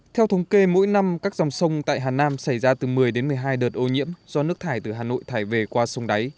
theo thống kê mỗi năm các dòng sông tại hà nam xảy ra từ một mươi đến một mươi hai đợt ô nhiễm do nước thải từ hà nội thải về qua sông đáy